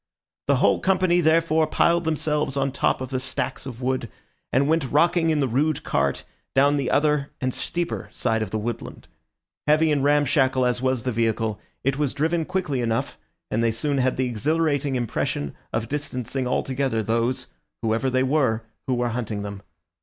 The whole company, therefore, piled themselves on top of the stacks of wood, and went rocking in the rude cart down the other and steeper side of the woodland. Heavy and ramshackle as was the vehicle, it was driven quickly enough, and they soon had the exhilarating impression of distancing altogether those, whoever they were, who were hunting them.